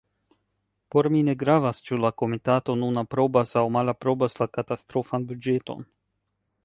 Por mi ne gravas, ĉu la komitato nun aprobas aŭ malaprobas la katastrofan buĝeton.